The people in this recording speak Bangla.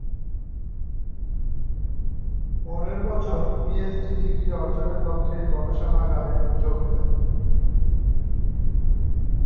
পরের বছর পিএইচডি ডিগ্রী অর্জনের লক্ষ্যে গবেষণাগারে যোগ দেন।